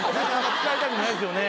使いたくないですよね。